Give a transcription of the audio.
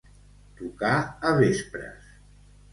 Tocar a vespres.